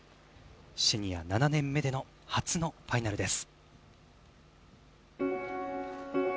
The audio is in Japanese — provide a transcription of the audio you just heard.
シニア７年目での初のファイナルです。